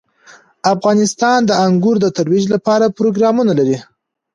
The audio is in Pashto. افغانستان د انګور د ترویج لپاره پروګرامونه لري.